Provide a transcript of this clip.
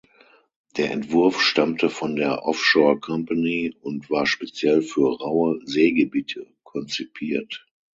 Der Entwurf stammte von der Offshore Company und war speziell für rauhe Seegebiete konzipiert.